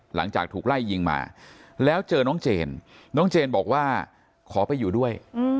หลังจากถูกไล่ยิงมาแล้วเจอน้องเจนน้องเจนบอกว่าขอไปอยู่ด้วย